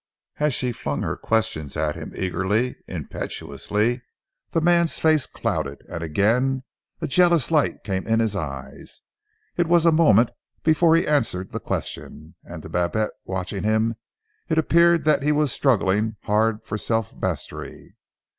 As she flung her questions at him eagerly, impetuously, the man's face clouded, and again a jealous light came in his eyes. It was a moment before he answered the questions, and to Babette, watching him it appeared that he was struggling hard for self mastery.